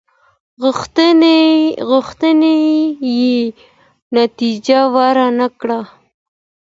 غوښتنې نتیجه ورنه کړه.